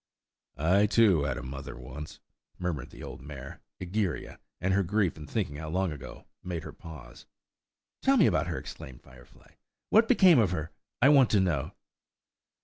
"I, too, had a mother once," murmured the old mare, Egeria; and her grief in thinking how long ago made her pause. "Tell me about her," exclaimed Firefly; "what became of her? I want to know."